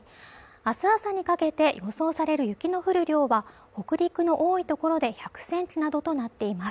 明日朝にかけて予想される雪の降る量は北陸の多い所で１００ｃｍなどとなっています